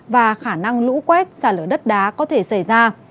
và khả năng lũ quét xả lở đất đá có thể xảy ra